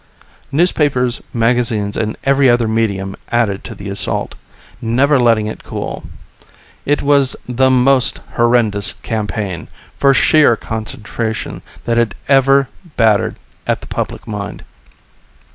_" Newspapers, magazines and every other medium added to the assault, never letting it cool. It was the most horrendous campaign, for sheer concentration, that had ever battered at the public mind.